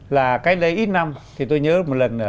là cách đây ít năm thì tôi nhớ một lần